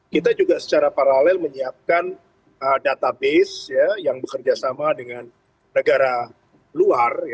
kita juga secara paralel menyiapkan database yang bekerja sama dengan negara luar